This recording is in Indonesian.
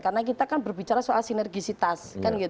karena kita kan berbicara soal sinergisitas